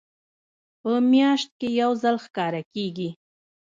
په میاشت کې یو ځل ښکاره کیږي.